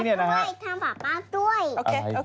ทำป่าป๊าด้วยทำป่าป๊าด้วย